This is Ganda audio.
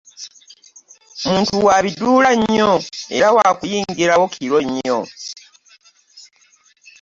Muntu wa biduula nnyo era waakuyingirawo kiro nnyo.